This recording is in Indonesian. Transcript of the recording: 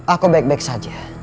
aku baik baik saja